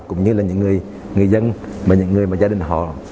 cũng như là những người dân và những người gia đình họ